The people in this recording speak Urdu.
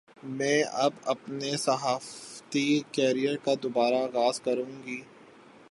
میں اب اپنے صحافتی کیریئر کا دوبارہ آغاز کرونگی